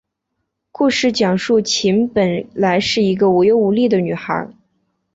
故事讲述琴本来是一个无忧无虑的女孩。